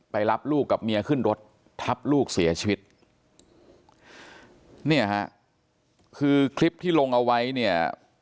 รับลูกกับเมียขึ้นรถทับลูกเสียชีวิตเนี่ยฮะคือคลิปที่ลงเอาไว้เนี่ย